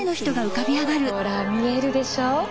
ほら見えるでしょ？